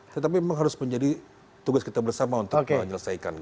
tetapi memang harus menjadi tugas kita bersama untuk menyelesaikan